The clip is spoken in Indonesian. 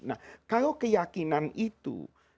nah kalau keyakinan itu